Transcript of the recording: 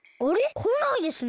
こないですね。